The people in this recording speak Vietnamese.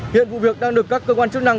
hiện vụ việc đang được các cơ quan chức năng